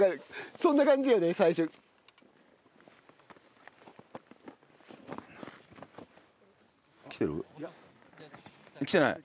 そんな感じだよね最初。来てる？来てない？